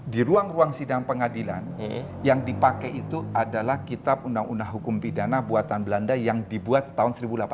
di ruang ruang sidang pengadilan yang dipakai itu adalah kitab undang undang hukum pidana buatan belanda yang dibuat tahun seribu delapan ratus